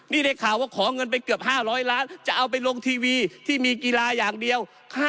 นี่ได้ข่าวว่าขอเงินไปเกือบ๕๐๐ล้านจะเอาไปลงทีวีที่มีกีฬาอย่างเดียว